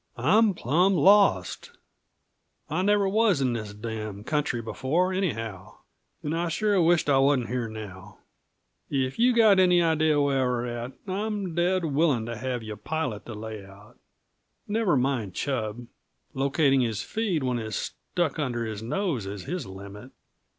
"I'm plumb lost; I never was in this damn country before, anyhow and I sure wish I wasn't here now. If you've any idea where we're at, I'm dead willing to have you pilot the layout. Never mind Chub; locating his feed when it's stuck under his nose is his limit."